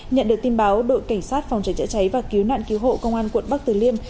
nhận được tin báo đội cảnh sát phòng cháy chữa cháy và cứu nạn cứu hộ công an quận bắc tử liêm